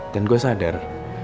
dan gue sadar